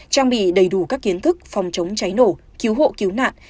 trang bị đầy đủ các kiến thức phòng chống cháy nổ cứu hộ cứu nạn